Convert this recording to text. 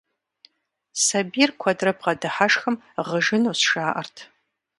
Сабийр куэдрэ бгъэдыхьэшхым, гъыжынущ, жаӀэрт.